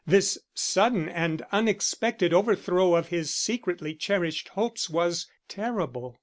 This sudden and unexpected overthrow of his secretly cherished hopes was terrible.